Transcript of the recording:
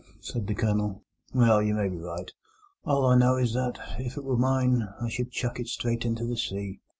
said the Colonel. "Well, you may be right. All I know is that, if it were mine, I should chuck it straight into the sea.